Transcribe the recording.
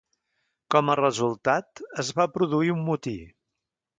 Com a resultat, es va produir un motí.